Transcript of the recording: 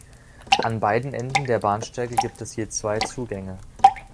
An beiden Enden der Bahnsteige gibt es je zwei Zugänge.